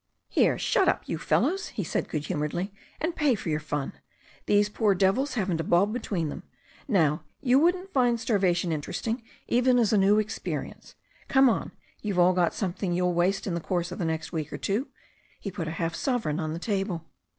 "Here, shut up, you fellows," he said good humouredly, "and pay for your fun. These poor devils haven't a bob between them. Now you wouldn't find starvation interest ing, even as a new experience. Come on, you've all got something you'll waste in the course of the next week or two." He put half a sovereign on the table.